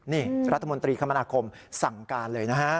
นี่รัฐมนตรีคมนาคมสั่งการเลยนะฮะ